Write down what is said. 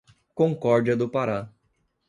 Concórdia do Pará